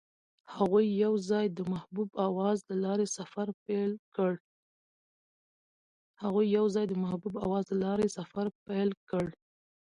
هغوی یوځای د محبوب اواز له لارې سفر پیل کړ.